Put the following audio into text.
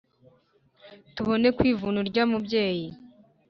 Tubone kwivuna urya mubyeyi.